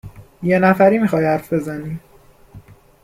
یه نفری میخای حرف بزنی